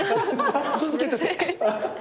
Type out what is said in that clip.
続けてて！